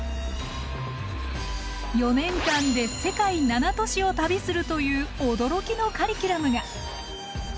４年間で世界７都市を旅するという驚きのカリキュラムが！